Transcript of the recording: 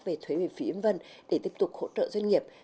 về thuế về phí v v để tiếp tục hỗ trợ doanh nghiệp